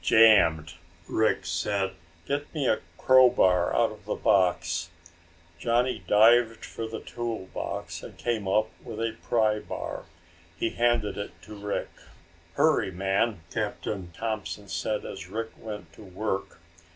"Jammed!" Rick said. "Get me a crow bar out of the box." Johnny dived for the tool box and came up with a pry bar. He handed it to Rick. "Hurry, man," Captain Thompson said as Rick went to work.